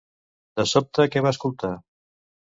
De sobte, què va escoltar?